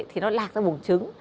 thì nó lạc ra bùng trứng